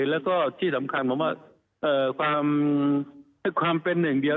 แล้วก็ที่สำคัญผมว่าความเป็นหนึ่งเดียว